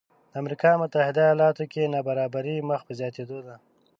د امریکا متحده ایالاتو کې نابرابري مخ په زیاتېدو ده